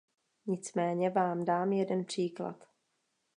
Nicméně vám dám jeden příklad.